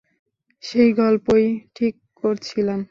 সেই গল্পই ঠিক করছিলাম।